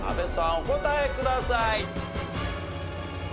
お答えください。